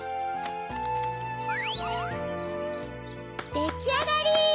できあがり！